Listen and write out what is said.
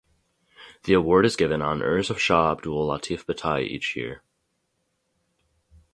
The award is given on Urs of Shah Abdul Latif Bhittai each year.